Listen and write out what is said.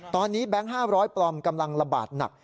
ตอนนี้แบงค์๕๐๐ปลอมกำลังระบาดหนัก